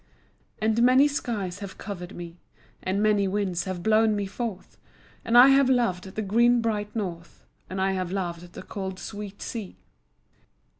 And many skies have covered me, And many winds have blown me forth, And I have loved the green bright north, And I have loved the cold sweet sea.